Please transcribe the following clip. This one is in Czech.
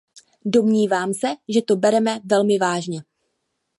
Domnívám se, že to bereme velmi vážně.